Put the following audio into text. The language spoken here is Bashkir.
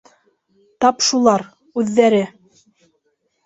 Тап шулар, үҙҙәре...